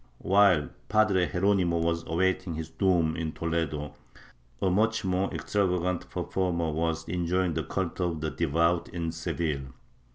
While Padre Geronimo was awaiting his doom in Toledo, a much more extravagant performer was enjoying the cult of the devout in Seville.